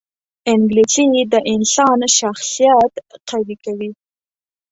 انګلیسي د انسان شخصیت قوي کوي